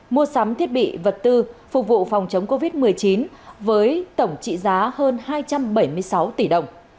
mua sắm thiết bị vật tư phục vụ phòng chống covid một mươi chín với tổng trị giá hơn hai trăm bảy mươi sáu tỷ đồng